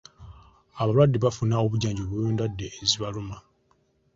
Abalwadde bafuna obujjanjabi obw'endwadde ezibaluma.